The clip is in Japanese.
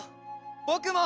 ぼくも！